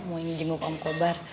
mau jenguk om kobar